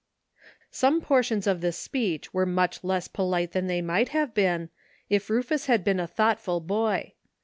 Some portions of this speech were much less polite than they might have been, if Rufus had been a thoughtful boy.